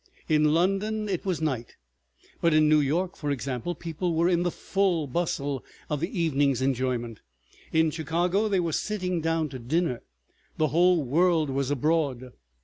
In London it was night, but in New York, for example, people were in the full bustle of the evening's enjoyment, in Chicago they were sitting down to dinner, the whole world was abroad.